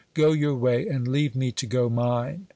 Go your way, and leave me to go mine."